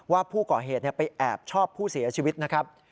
ว่าผู้ก่อเหตุไปแอบชอบผู้เสียชีวิตนะครับ